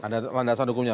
anda mendesak hukumnya